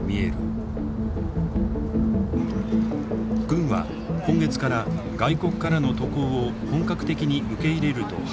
軍は今月から外国からの渡航を本格的に受け入れると発表。